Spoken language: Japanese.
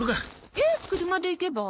えっ車で行けば？